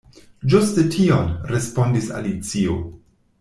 "Ĝuste tion," respondis Alicio.